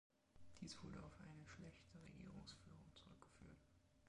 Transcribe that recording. Dies wurde auf eine schlechte Regierungsführung zurückgeführt.